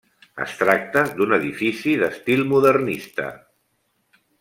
Es tracta d'un edifici d'estil modernista.